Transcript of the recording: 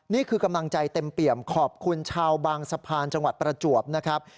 นี่คือกำลังใจเต็มเปี่ยมขอบคุณชาวบางสะพานจังหวัดประจวบนะครับ